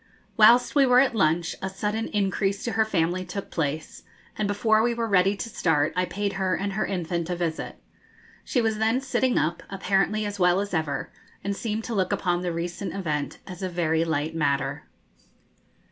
Whilst we were at lunch a sudden increase to her family took place, and before we were ready to start I paid her and her infant a visit. She was then sitting up, apparently as well as ever, and seemed to look upon the recent event as a very light matter.